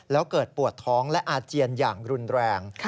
แล้วเกิดปวดท้องและอาเจียนอย่างรุนแรง